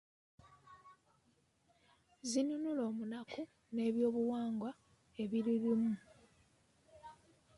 Zinunula Omunaku n’ebyobuwangwa ebirulimu.